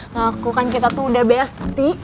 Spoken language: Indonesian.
ngaku kan kita tuh udah besti